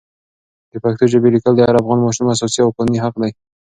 د پښتو ژبې لیکل د هر افغان ماشوم اساسي او قانوني حق دی.